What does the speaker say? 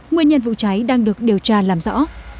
nguyên nhân vụ cháy đang được điều tra làm rõ